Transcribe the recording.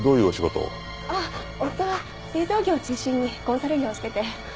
ああ夫は製造業を中心にコンサル業をしてて。